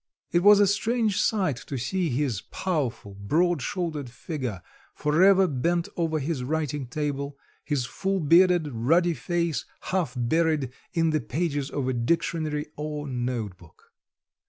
It was a strange sight to see his powerful, broad shouldered figure for ever bent over his writing table, his full bearded ruddy face half buried in the pages of a dictionary or note book.